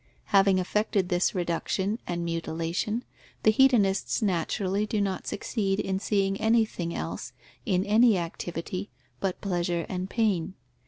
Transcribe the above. Having effected this reduction and mutilation, the hedonists naturally do not succeed in seeing anything else in any activity but pleasure and pain.